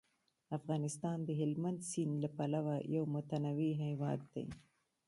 افغانستان د هلمند سیند له پلوه یو متنوع هیواد دی.